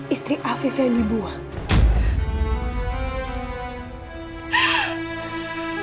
istri afif yang dibuang